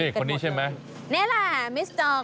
คนนี้ใช่ไหมนี่แหละคนนี้แหละ